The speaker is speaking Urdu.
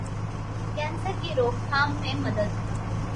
کینسرکی روک تھام میں مدد